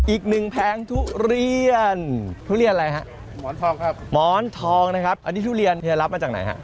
อีกหนึ่งแพ้งทุเรียนทุเรียนอะไรครับหมอนทองครับหมอนทองนะครับอันนี้ทุเรียนที่จะรับมาจากไหนครับ